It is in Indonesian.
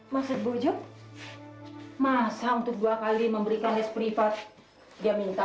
masa bu jok masa untuk dua kali memberikan les prifat dia minta rp lima puluh